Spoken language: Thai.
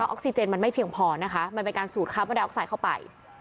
ออกซิเจนมันไม่เพียงพอนะคะมันเป็นการสูดคาร์บอดาออกไซด์เข้าไป